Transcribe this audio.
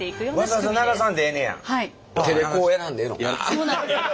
そうなんです。